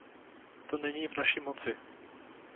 To není v naši moci.